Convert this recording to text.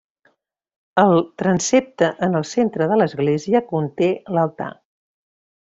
El transsepte en el centre de l'església conté l'altar.